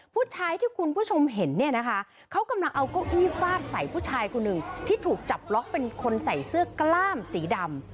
ผู้ชายที่คุณผู้ชมเห็นเนี่ยนะคะเขากำลังเอาเก้าอี้ฟาดใส่ผู้ชายคนหนึ่งที่ถูกจับล็อกเป็นคนใส่เสื้อกล้ามสีดำ